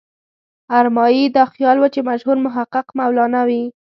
ارمایي دا خیال و چې مشهور محقق مولانا وي.